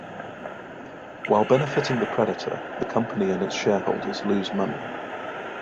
While benefiting the predator, the company and its shareholders lose money.